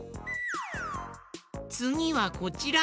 つぎはこちら。